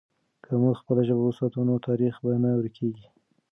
که موږ خپله ژبه وساتو، نو تاریخ به نه ورکېږي.